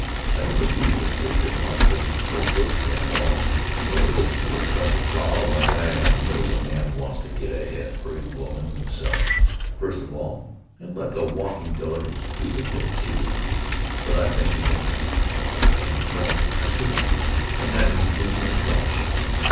I don't agree with Frazer about these socialists and all—fellow that's worked at the plow like I have knows a man wants to get ahead for his woman and himself, first of all, and let the walking delegates go to work, too. But I think he's honest, all right, and, well, I stood up, and that means losing my scholarship.